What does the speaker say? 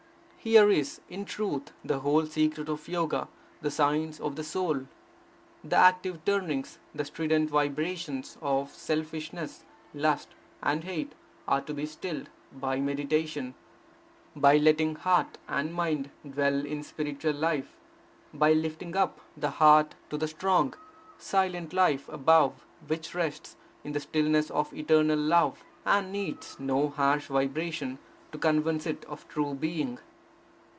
Here is, in truth, the whole secret of Yoga, the science of the soul. The active turnings, the strident vibrations, of selfishness, lust and hate are to be stilled by meditation, by letting heart and mind dwell in spiritual life, by lifting up the heart to the strong, silent life above, which rests in the stillness of eternal love, and needs no harsh vibration to convince it of true being.